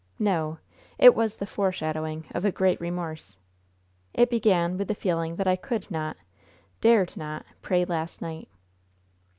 No; it was the foreshadowing of a great remorse. It began with the feeling that I could not, dared not, pray last night."